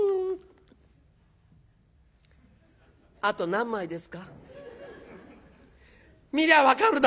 「あと何枚ですか？」。